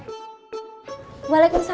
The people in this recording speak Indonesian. assalamualaikum bu dokter